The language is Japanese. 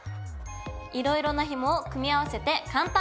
いろいろなひもを組み合わせて簡単！